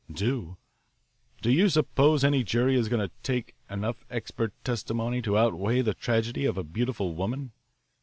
Do you suppose any jury is going to take enough expert testimony to outweigh the tragedy of a beautiful woman?